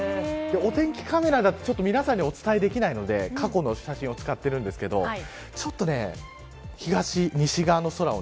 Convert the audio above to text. お天気カメラだと皆さんにお伝えできないので過去の写真を使っているんですけどちょっと東、西側の空を。